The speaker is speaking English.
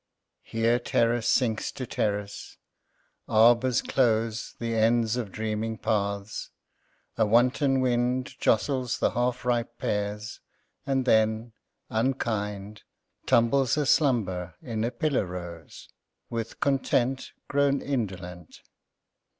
Here terrace sinks to terrace, arbors close The ends of dreaming paths; a wanton wind Jostles the half ripe pears, and then, unkind, Tumbles a slumber in a pillar rose, With content Grown indolent.